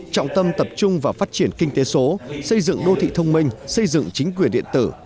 trọng tâm tập trung vào phát triển kinh tế số xây dựng đô thị thông minh xây dựng chính quyền điện tử